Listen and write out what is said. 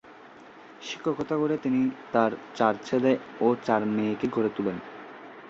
শিক্ষকতা করে তিনি তাঁর চার ছেলে ও চার মেয়েকে গড়ে তোলেন।